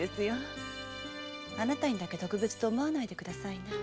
あなたにだけ特別と思わないでくださいね。